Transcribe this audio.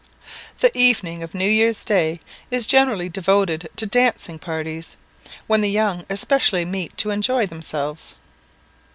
The evening of New Year's day is generally devoted to dancing parties, when the young especially meet to enjoy themselves.